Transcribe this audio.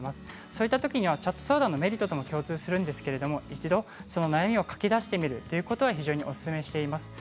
そういうときはチャット相談のメリットとも共通しますが一度、悩みを書き出してみるということが非常におすすめしています。